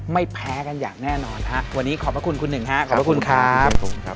ไม่แพ้กันอย่างแน่นอนฮะวันนี้ขอบพระคุณคุณหนึ่งฮะขอบพระคุณครับ